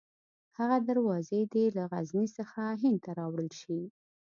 هغه دروازې دې له غزني څخه هند ته راوړل شي.